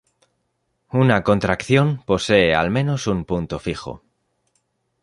Una contracción posee al menos un punto fijo.